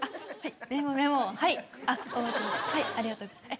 ありがとうございます。